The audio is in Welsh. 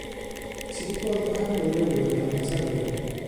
Ti 'di gweld y rhaglen newydd 'na ar y teli?